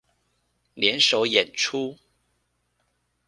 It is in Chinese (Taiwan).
聯手演出